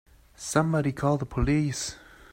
Somebody call the police!